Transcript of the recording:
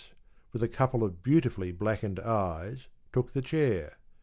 with a couple of beautifully blackened eyes, took the chair.